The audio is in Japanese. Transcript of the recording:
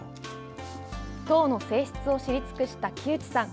籐の性質を知り尽くした木内さん。